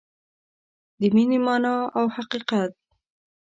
د مینې مانا او حقیقت